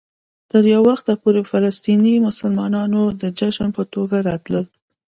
تر یو وخته پورې فلسطيني مسلمانانو د جشن په توګه راتلل.